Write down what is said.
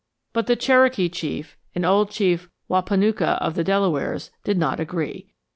But the Cherokee Chief and old Chief Wahpanucka of the Delawares did not agree.